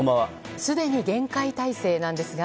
すでに厳戒態勢なんですが。